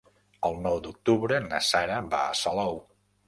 El nou d'octubre na Sara va a Salou.